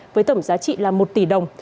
với tổng giá trị là một tỷ đồng